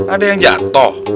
ada yang jatuh